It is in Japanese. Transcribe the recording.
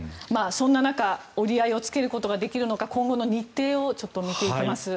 そんな中、折り合いをつけることができるのか今後の日程を見ていきます。